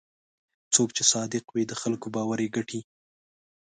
څوک چې صادق وي، د خلکو باور یې ګټي.